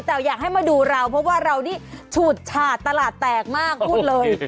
แต่อยากให้มาดูเราเพราะว่าเรานี่ฉุดฉาดตลาดแตกมากพูดเลย